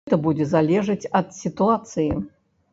Гэта будзе залежаць ад сітуацыі.